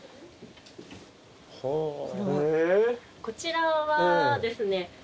こちらはですね